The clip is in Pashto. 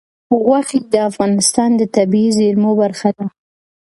غوښې د افغانستان د طبیعي زیرمو برخه ده.